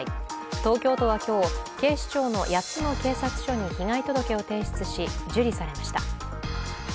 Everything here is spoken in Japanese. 東京都は今日、警視庁の８つの警察署に被害届を提出し、受理されました。